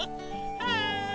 はい！